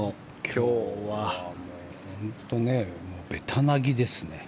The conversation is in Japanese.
今日は本当にべたなぎですね。